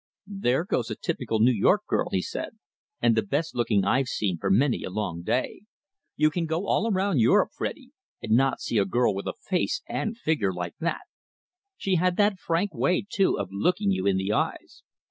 "There goes a typical New York girl," he said, "and the best looking I've seen for many a long day. You can go all round Europe, Freddie, and not see a girl with a face and figure like that. She had that frank way, too, of looking you in the eyes."